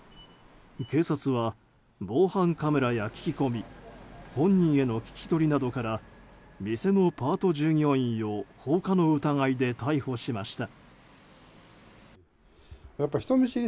警察は防犯カメラや聞き込み本人への聞き取りなどから店のパート従業員を放火の疑いで逮捕しました。